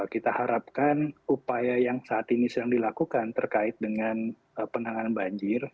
kita harapkan upaya yang saat ini sedang dilakukan terkait dengan penanganan banjir